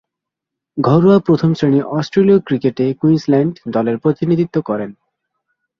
ঘরোয়া প্রথম-শ্রেণীর অস্ট্রেলীয় ক্রিকেটে কুইন্সল্যান্ড দলের প্রতিনিধিত্ব করেন।